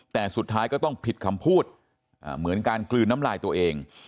แต่สุดท้ายก็ต้องผิดคำพูดเหมือนการกลืนน้ำลายตัวเอง